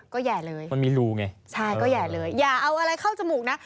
ก็แห่เลยมันมีรูไงใช่ก็แห่เลยอย่าเอาอะไรเข้าจมูกนะ